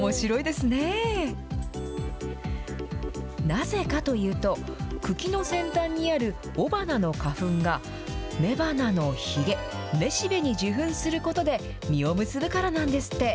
なぜかというと、茎の先端にある雄花の花粉が、雌花のひげ、雌しべに受粉することで実を結ぶからなんですって。